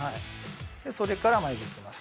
それから眉毛いきます。